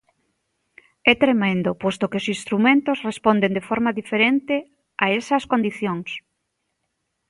É tremendo, posto que os instrumentos responden de forma diferente a esas condicións.